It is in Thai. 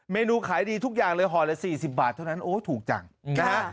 เมนูขายดีทุกอย่างเลยห่อละ๔๐บาทเท่านั้นโอ้ถูกจังนะฮะ